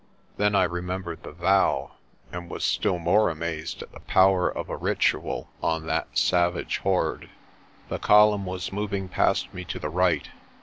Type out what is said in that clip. Then I remembered the vow and was still more amazed at the power of a ritual on that savage horde. The column was moving past me to the right.